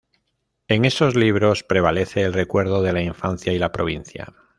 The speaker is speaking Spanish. En estos libros prevalece el recuerdo de la infancia y la provincia.